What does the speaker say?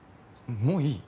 もういい？